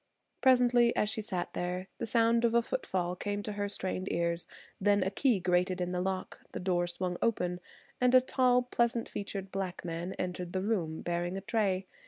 Presently, as she sat there, the sound of a football came to her strained ears, then a key grated in the lock, the door swung open, and a tall, pleasant featured black man entered the room, bearing a tray.